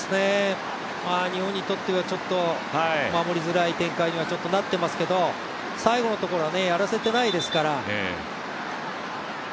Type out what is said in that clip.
日本にとっては守りづらい展開にはなっていますけど、最後のところはやらせてないですから。